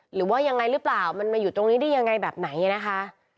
หรือว่ายังไงหรือเปล่ามันมาอยู่ตรงนี้ได้ยังไงแบบไหนนะคะ